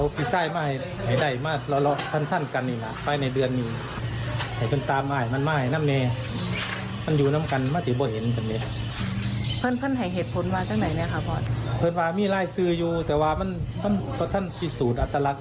เพื่อนป่าวมีรายซื้ออยู่เดี๋ยวว่ามันต้องเต้นสูตรอัตรรัก